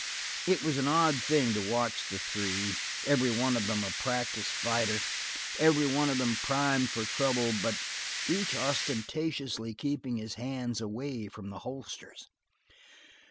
It was an odd thing to watch the three, every one of them a practiced fighter, every one of them primed for trouble, but each ostentatiously keeping his hands away from the holsters.